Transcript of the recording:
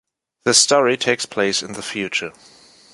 The story takes place in the future.